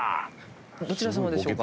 どちら様でしょうか？